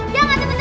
ya ga temen dua